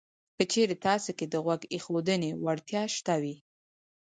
که چېرې تاسې کې د غوږ ایښودنې وړتیا شته وي